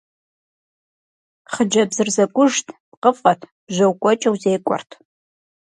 Хъыджэбзыр зэкӀужт, пкъыфӀэт, бжьо кӀуэкӀэу зекӀуэрт.